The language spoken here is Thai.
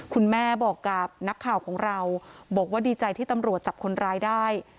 คุณแม่บอกกับนักข่าวของเราบอกว่าดีใจที่ตำรวจจับคนร้ายได้